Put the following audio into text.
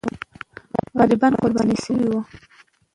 غریبان قرباني سوي وو.